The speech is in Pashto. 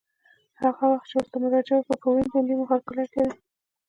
هر وخت چې ورته مراجعه وکړه په ورین تندي مو هرکلی کوي.